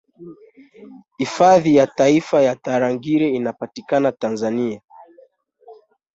Hifadhi ya Taifa ya Tarangire inapatikana Tanzania